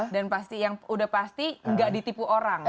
dan yang udah pasti nggak ditipu orang